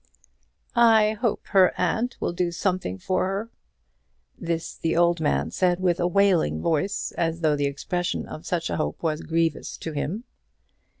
"I hope her aunt will do something for her." This the old man said in a wailing voice, as though the expression of such a hope was grievous to him.